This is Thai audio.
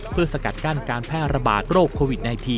เพื่อสกัดกั้นการแพร่ระบาดโรคโควิด๑๙